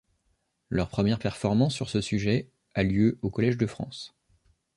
Leur première performance sur ce sujet a lieu au Collège de France.